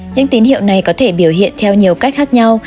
những tín hiệu này có thể biểu hiện theo nhiều cách khác nhau